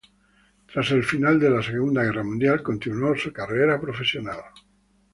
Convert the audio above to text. Tras el final de la Segunda Mundial continuó su carrera profesional.